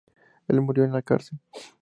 Él murió en la cárcel.